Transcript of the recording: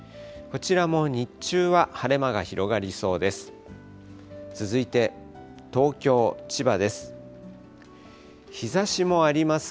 こちらも日中は晴れ間が広がりそうです。